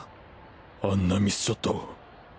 あんなミスショットを。